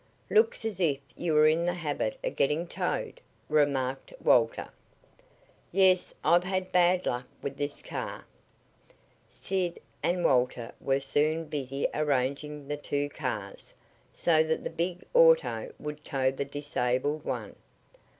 "Looks as if you were in the habit of getting towed," remarked Walter. "Yes. I've had bad luck with this car." Sid and Walter were soon busy arranging the two cars, so that the big auto would tow the disabled one.